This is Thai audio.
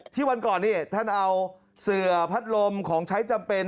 วันก่อนนี่ท่านเอาเสือพัดลมของใช้จำเป็น